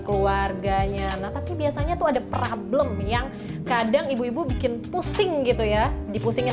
keluarganya nah tapi biasanya tuh ada problem yang kadang ibu ibu bikin pusing gitu ya dipusingin